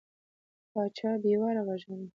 پاچا بې واره غږېده.